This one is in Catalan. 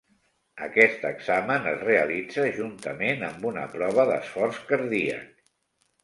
Aquest examen es realitza juntament amb una prova d'esforç cardíac.